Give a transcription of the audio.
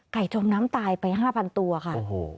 จมน้ำตายไป๕๐๐ตัวค่ะ